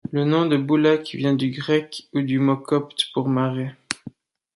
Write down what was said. Le nom de Boulaq vient du grec φυλακη ou du mot copte pour marais.